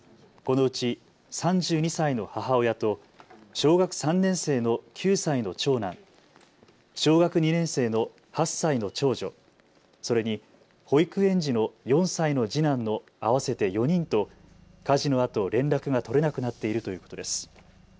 この住宅には５人が住んでいてこのうち３２歳の母親と小学３年生の９歳の長男、小学２年生の８歳の長女、それに保育園児の４歳の次男の合わせて４人と火事のあと連絡が取れなくなっているということです。